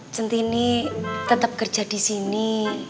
cinti ini tetap kerja disini